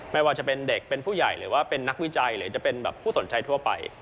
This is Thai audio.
ไม่ว่าจะเป็นเด็กเป็นผู้ใหญ่หรือว่าเป็นนักวิจัยหรือจะเป็นแบบผู้สนใจทั่วไป